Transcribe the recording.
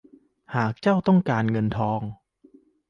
หากเจ้าต้องการเงินทอง